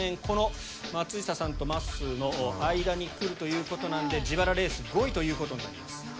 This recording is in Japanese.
この松下さんとまっすーの間に来るということなんで自腹レース５位ということになります。